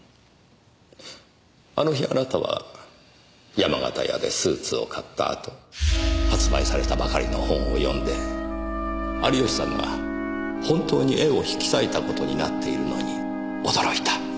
あの日あなたは山形屋でスーツを買ったあと発売されたばかりの本を読んで有吉さんが本当に絵を引き裂いたことになっているのに驚いた。